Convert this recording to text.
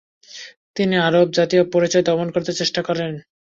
তিনি আরব জাতীয় পরিচয় দমন করতে চেষ্টা করেন।